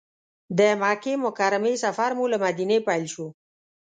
د مکې مکرمې سفر مو له مدینې پیل شو.